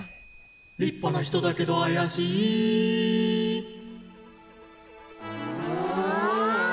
「立派な人だけどあやしい」うわ。